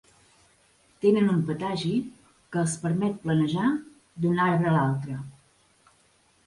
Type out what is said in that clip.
Tenen un patagi que els permet planejar d'un arbre a l'altre.